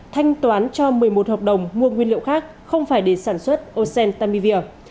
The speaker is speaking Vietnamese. thanh toán cho một mươi một hợp đồng mua nguyên liệu khác không phải để sản xuất ocentamivir